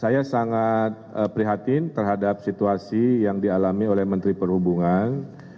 saya sangat prihatin terhadap situasi yang dialami oleh menteri perhubungan